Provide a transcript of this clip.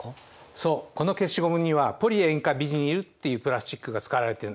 そうこの消しゴムにはポリ塩化ビニルっていうプラスチックが使われてるんです。